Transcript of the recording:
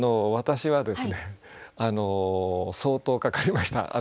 私はですね相当かかりました。